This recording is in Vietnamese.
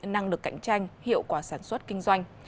năng lực cạnh tranh hiệu quả sản xuất kinh doanh